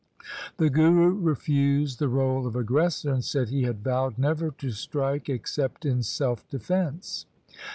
The Guru refused the role of aggressor and said he had vowed never to strike except in self defence.